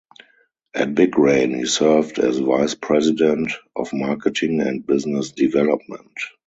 At Big Rain, he served as Vice President of Marketing and Business Development.